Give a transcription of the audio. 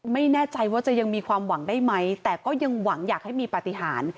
ไม่แน่ใจว่าจะยังมีความหวังได้ไหมแต่ก็ยังหวังอยากให้มีปฏิหาร